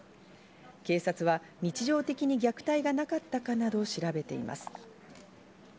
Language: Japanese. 警察は日常的に虐待がなかったかなど調べています。